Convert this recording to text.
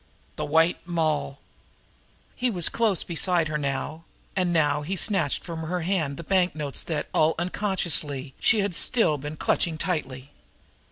"The White Moll!" He was close beside her now, and now he snatched from her hand the banknotes that, all unconsciously, she had still been clutching tightly.